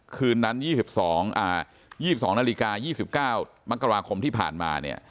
คืนนั้น๒๒นาฬิกา๒๙มกราคมที่ผ่านมาเนี่ย